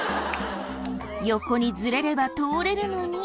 横にずれれば通れるのに。